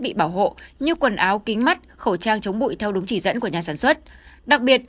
bị bảo hộ như quần áo kính mắt khẩu trang chống bụi theo đúng chỉ dẫn của nhà sản xuất đặc biệt